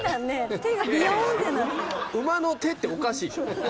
馬の手っておかしいでしょ。